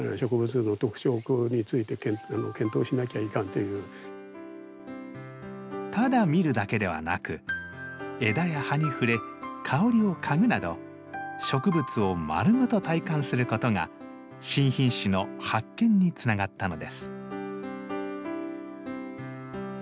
先生の教えではただ見るだけではなく枝や葉に触れ香りを嗅ぐなど植物を丸ごと体感することが新品種の発見につながったのです。